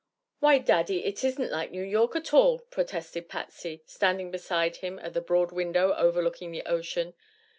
"Why, Daddy, it isn't like New York at all," protested Patsy, standing beside him at the broad window overlooking the ocean.